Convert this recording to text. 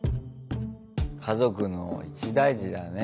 家族の一大事だね。